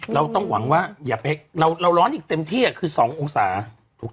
เราต้องหวังว่าอย่าเผ็ดเราร้อนอีกเต็มที่คือ๒อุตสาห์